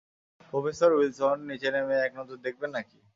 Professor Wilson, নিচে নেমে এক নজর দেখবেন নাকি?